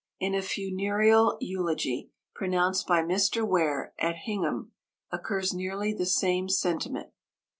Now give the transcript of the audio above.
In a funereal eulogy pronounced by Mr. Ware at Hingham, occurs nearly the same sentiment.